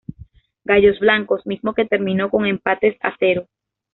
Gallos Blancos, mismo que terminó con empate a ceros.